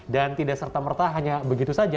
dan tidak serta merta hanya begitu saja